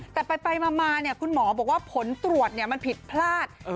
แต่ไปมาคุณหมอบอกว่าผลตรวจมันผิดพลาด